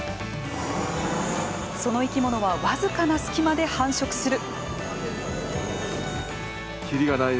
その生き物はわずかな隙間で繁殖する。